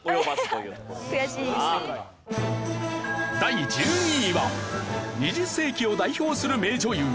第１２位は２０世紀を代表する名女優